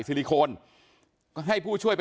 อันนี้มันต้องมีเครื่องชีพในกรณีที่มันเกิดเหตุวิกฤตจริงเนี่ย